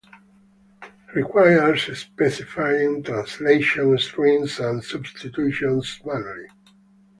Requires specifying translation strings and substitutions manually